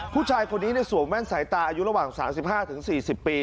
ผู้ชายคนนี้สวมแว่นสายตาอายุระหว่าง๓๕๔๐ปี